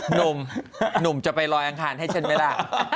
หนุ่มหนุ่มจะไปลอยอังคารให้ฉันไหมล่ะ